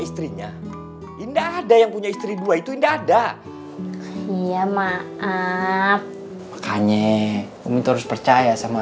istrinya indah ada yang punya istri dua itu ada iya maaf makanya umit terus percaya sama